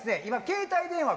携帯電話